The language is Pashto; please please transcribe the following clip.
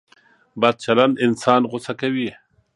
بد چلند انسان غوسه کوي.